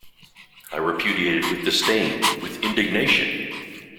I repudiate it with disdain — with indignation.